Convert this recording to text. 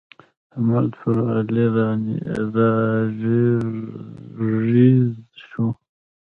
احمد پر علي را ږيز شو.